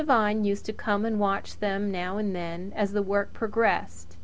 Blanche Devine used to come and watch them now and then as the work progressed.